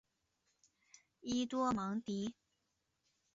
伊多芒迪。